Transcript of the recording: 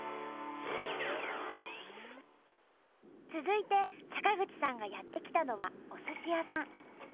続いて坂口さんがやって来たのはおすし屋さん。